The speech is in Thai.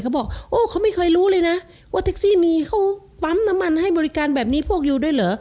เขาบอกโอ้เขาไม่เคยรู้เลยนะว่าแท็กซี่มีเขาปั๊มน้ำมันให้บริการแบบนี้พวกยูด้วยเหรอ